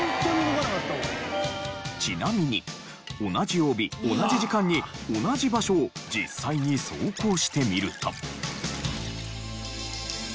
ちなみに同じ曜日同じ時間に同じ場所を実際に走行してみると。